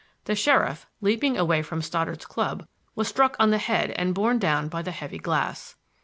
The sheriff, leaping away from Stoddard's club, was struck on the head and borne down by the heavy glass.